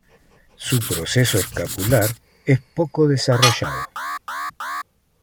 Su proceso escapular es poco desarrollado.